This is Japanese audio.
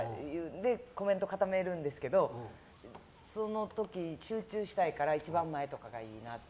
コメント固めるんですけどその時に集中したいから一番前とかがいいなって。